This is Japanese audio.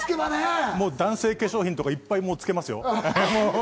男性化粧品とかいっぱいつけ